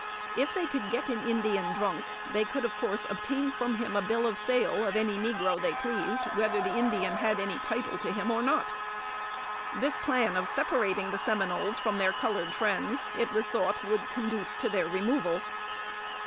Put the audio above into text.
If they could get an Indian drunk, they could of course obtain from him a bill of sale of any negro they pleased, whether the Indian had any title to him or not. This plan of separating the Seminoles from their colored friends, it was thought would conduce to their removal.